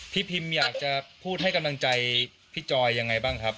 พิมอยากจะพูดให้กำลังใจพี่จอยยังไงบ้างครับ